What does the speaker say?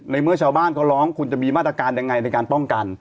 เมื่อชาวบ้านเขาร้องคุณจะมีมาตรการยังไงในการป้องกัน